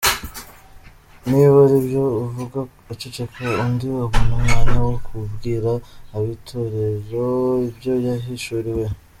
Niba ari ibyo, uvuga aceceke, undi abone umwanya wo kubwira ab’Itorero ibyo yahishuriwe.